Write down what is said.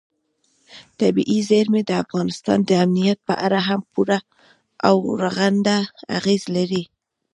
طبیعي زیرمې د افغانستان د امنیت په اړه هم پوره او رغنده اغېز لري.